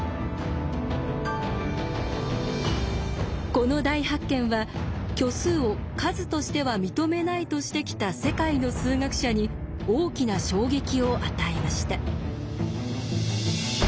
この大発見は虚数を数としては認めないとしてきた世界の数学者に大きな衝撃を与えました。